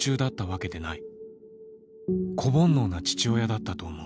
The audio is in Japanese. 子煩悩な父親だったと思う。